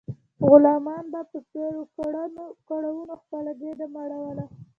غلامانو به په ډیرو کړاوونو خپله ګیډه مړوله.